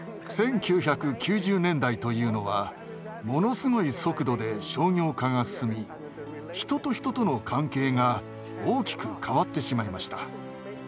１９９０年代というのはものすごい速度で商業化が進み人と人との関係が大きく変わってしまいました。